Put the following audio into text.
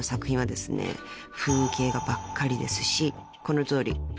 風景画ばっかりですしこのとおり筆の跡もね